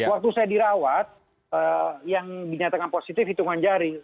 waktu saya dirawat yang dinyatakan positif hitungan jari